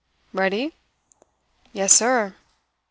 "'Ready?' "'Yes, sir.'